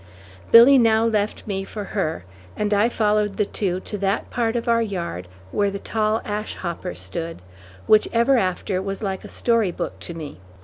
Billy now left me for her, and I followed the two to that part of our yard where the tall ash hopper stood, which ever after was like a story book to me.